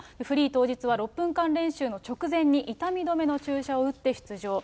フリー当日は、６分間練習の直前に痛み止めの注射を打って出場。